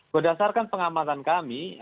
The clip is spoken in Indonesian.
berdasarkan pengamatan kami